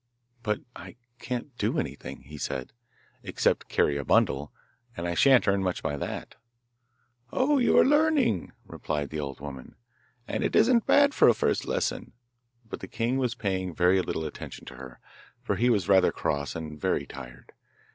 'But I can't do anything,' he said, 'except carry a bundle, and I shan't earn much by that.' 'Oh, you are learning,' replied the old woman, 'and it isn't bad for a first lesson.' But the king was paying very little attention to her, for he was rather cross and very tired.